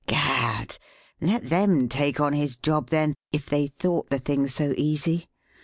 Gad! Let them take on his job, then, if they thought the thing so easy!